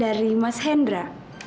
dari mas hendra